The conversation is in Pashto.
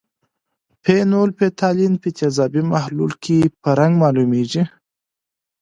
فینول فتالین په تیزابي محلول کې په رنګ معلومیږي.